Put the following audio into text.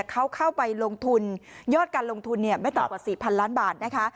เขาเข้าไปลงทุนยอดการลงทุนไม่ต่ำกว่า๔๐๐ล้านบาทนะคะ